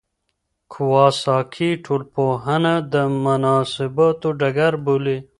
کواساکي ټولنپوهنه د مناسباتو ډګر بولي.